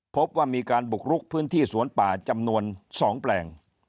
พบว่ามีการบุกลุกพื้นที่สวนป่าจำนวน๒แปลง